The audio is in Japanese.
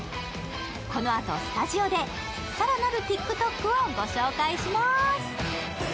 このあと、スタジオで更なるＴｉｋＴｏｋをご紹介します。